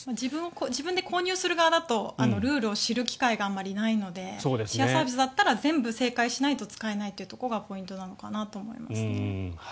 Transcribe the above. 自分で購入する側だとルールを知る機会があまりないのでシェアサービスだと全部正解しないと使えないというところがポイントなのかなと思いますね。